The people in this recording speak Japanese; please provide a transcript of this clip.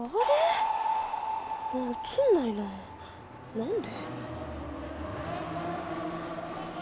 何で？